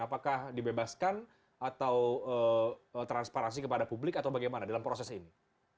apakah dibebaskan atau transparansi kepada publik atau bagaimana dalam proses ini